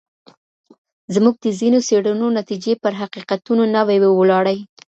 زموږ د ځینو څېړنو نتیجې پر حقیقتونو نه وي وولاړي.